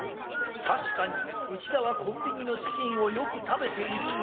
確かに内田はコンビニのチキンをよく食べているが。